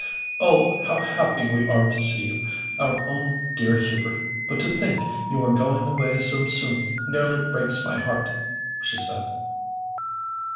"Oh, how happy we are to see you, our own dear Hubert; but to think you are going away so soon nearly breaks my heart!" she said.